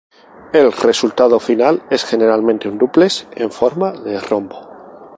El resultado final es generalmente un dúplex en forma de rombo.